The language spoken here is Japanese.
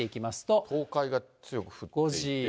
東海が強く降っていて。